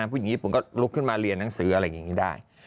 ผู้หญิงญี่ปุ่นก็ลุกขึ้นมาเรียนหนังสืออะไรอย่างนี้ได้